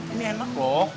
ini enak loh